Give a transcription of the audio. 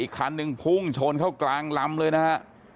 คันหนึ่งพุ่งชนเข้ากลางลำเลยนะฮะ